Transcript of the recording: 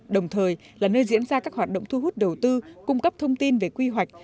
đồng thời là nơi diễn ra các hoạt động thu hút đầu tư cung cấp thông tin về quy hoạch